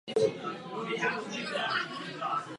O islámu se mluví jako o nejmladším náboženství.